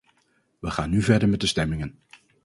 Wij gaan nu verder met de stemmingen.